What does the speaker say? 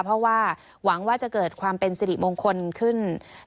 เพราะว่าหวังว่าจะเกิดความเป็นสิริมงคลขึ้น